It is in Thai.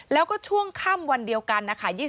แล้วก็ช่วงค่ำวันเดียวกันนะคะ